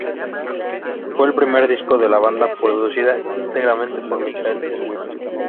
Fue el primer disco de la banda producido íntegramente por Michael Sweet.